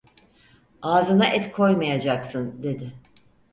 Ağzına et koymayacaksın, dedi.